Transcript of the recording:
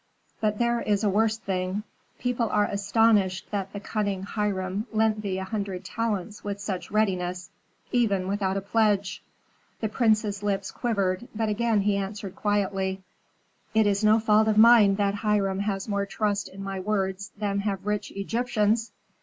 But there is a worse thing; people are astonished that the cunning Hiram lent thee a hundred talents with such readiness, even without a pledge." The prince's lips quivered, but again he answered quietly, "It is no fault of mine that Hiram has more trust in my words than have rich Egyptians!